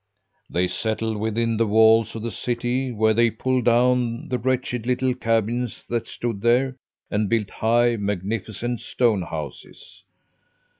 They settled within the walls of the city where they pulled down the wretched little cabins that stood there and built high, magnificent stone houses.